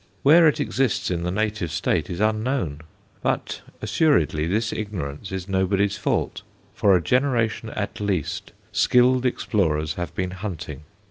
Where it exists in the native state is unknown, but assuredly this ignorance is nobody's fault. For a generation at least skilled explorers have been hunting.